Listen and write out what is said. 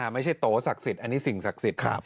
ไม่ใช่โตสักสิทธิ์อันนี้สิ่งศักดิ์สิทธิ์